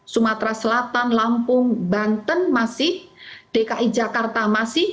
sumatera selatan lampung banten masih dki jakarta masih